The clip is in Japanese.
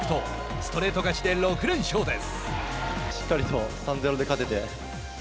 ストレート勝ちで６連勝です。